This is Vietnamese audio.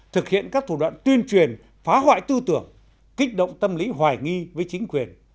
thực hiện các thủ đoạn tuyên truyền phá hoại tư tưởng kích động tâm lý hoài nghi với chính quyền